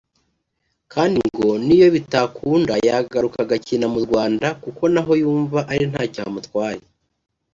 kandi ngo n’iyo bitakunda yagaruka agakina mu Rwanda kuko naho yumva ari ntacyo hamutwaye